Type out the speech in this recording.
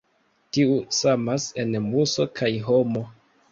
Tiu samas en muso kaj homo.